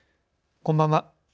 こんばんは。